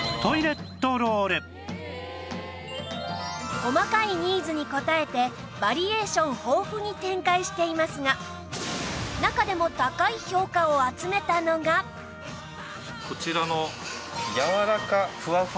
細かいニーズに応えてバリエーション豊富に展開していますが中でもこちらの。